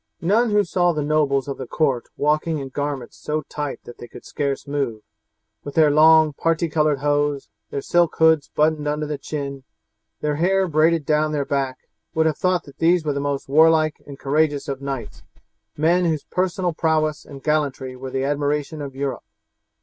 None who saw the nobles of the court walking in garments so tight that they could scarce move, with their long parti coloured hose, their silk hoods buttoned under the chin, their hair braided down their back, would have thought that these were the most warlike and courageous of knights, men whose personal prowess and gallantry were the admiration of Europe.